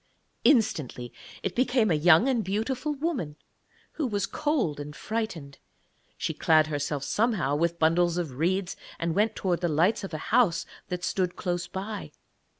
Instantly it became a young and beautiful woman, who was cold and frightened. She clad herself somehow with bundles of reeds, and went towards the lights of a house that stood close by.